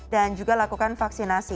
dan juga lakukan vaksinasi